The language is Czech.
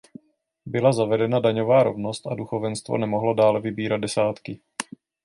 Byla zavedena daňová rovnost a duchovenstvo nemohlo dále vybírat desátky.